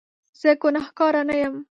زه ګناکاره نه یم